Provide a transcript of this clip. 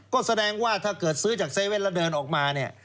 ก็แสดงว่าถ้าเกิดซื้อจาก๗๑๑แล้วเดินออกมาเนี่ย